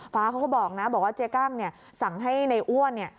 ฟ้าเขาก็บอกนะบอกว่าเจ๊กล้างสั่งให้ในอ้วน